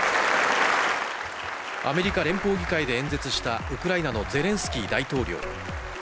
アメリカ連邦議会で演説したウクライナのゼレンスキー大統領。